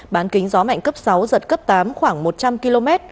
bán kính gió mạnh cấp sáu giật cấp tám khoảng một trăm linh km